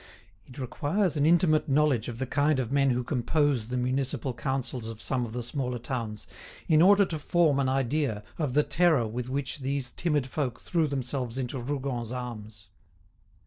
It requires an intimate knowledge of the kind of men who compose the municipal councils of some of the smaller towns, in order to form an idea of the terror with which these timid folk threw themselves into Rougon's arms.